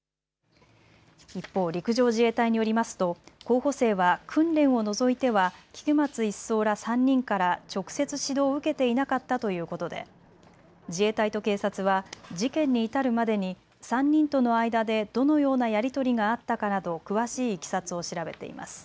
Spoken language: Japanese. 一方、陸上自衛隊によりますと候補生は訓練を除いては菊松１曹ら３人から直接指導を受けていなかったということで自衛隊と警察は事件に至るまでに３人との間でどのようなやり取りがあったかなど詳しいいきさつを調べています。